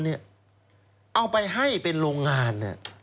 เอาไปให้เป็นโรงงาน